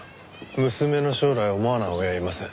娘の将来を思わない親はいません。